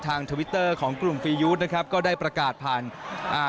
ทวิตเตอร์ของกลุ่มฟียูดนะครับก็ได้ประกาศผ่านอ่า